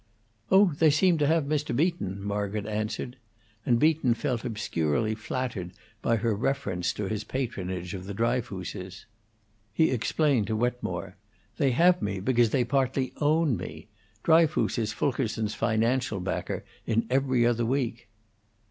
"Oh, they seem to have Mr. Beaton," Margaret answered, and Beaton felt obscurely flattered by her reference to his patronage of the Dryfooses. He explained to Wetmore: "They have me because they partly own me. Dryfoos is Fulkerson's financial backer in 'Every Other Week'."